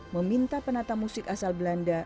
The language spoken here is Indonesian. meminta penata musik asal belanda